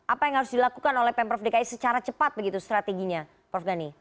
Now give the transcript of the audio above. apa yang harus dilakukan oleh pemprov dki secara cepat begitu strateginya prof gani